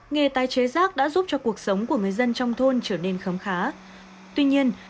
nghề tái chế rác đã giúp cho cuộc sống của người dân trong thôn trở nên khấm khá tuy nhiên